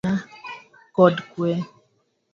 Wabed mana kod kue.